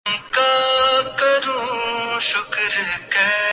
یقینا ایسا نہیں انسان کا اصل مسئلہ اخلاقی ہی ہے۔